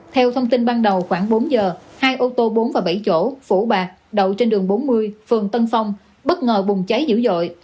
theo thông tin ban đầu khoảng bốn giờ hai ô tô bốn và bảy chỗ phủ bạc đậu trên đường bốn mươi phường tân phong bất ngờ bùng cháy dữ dội